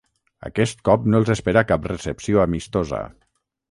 Aquest cop no els espera cap recepció amistosa.